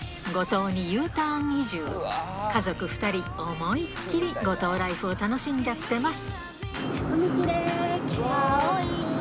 思いっ切り五島ライフを楽しんじゃってます